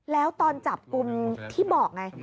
แล้วตอนจับกลุ่มที่บอกไง